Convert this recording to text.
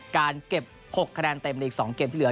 การเก็บ๖คะแนนเต็มในอีก๒เกมที่เหลือ